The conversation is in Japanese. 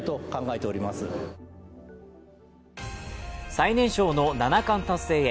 最年少の七冠達成へ。